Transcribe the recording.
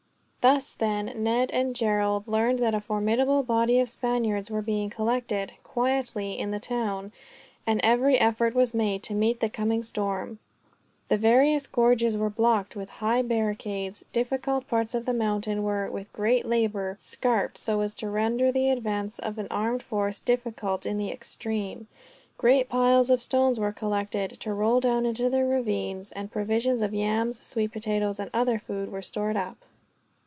Thus, then, Ned and Gerald learned that a formidable body of Spaniards were being collected, quietly, in the town; and every effort was made to meet the coming storm. The various gorges were blocked with high barricades; difficult parts of the mountain were, with great labor, scarped so as to render the advance of an armed force difficult in the extreme; great piles of stones were collected, to roll down into the ravines; and provisions of yams, sweet potatoes, and other food were stored up.